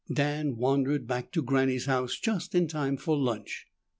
Dan wandered back to Granny's house just in time for lunch.